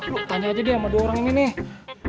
lu tanya aja deh sama dua orang ini nih